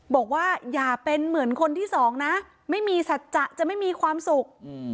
บอกว่าอย่าเป็นเหมือนคนที่สองนะไม่มีสัจจะจะไม่มีความสุข